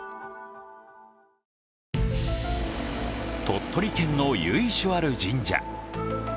鳥取県の由緒ある神社。